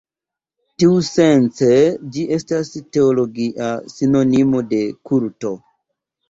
Tiusence ĝi estas teologia sinonimo de kulto.